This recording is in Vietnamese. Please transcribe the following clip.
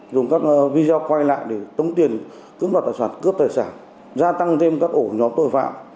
dùng các video quay lại để tống tiền cưỡng đoạt tài sản cướp tài sản gia tăng thêm các ổ nhóm tội phạm